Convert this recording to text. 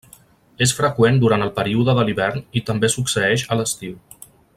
És freqüent durant el període de l'hivern i també succeeix a l'estiu.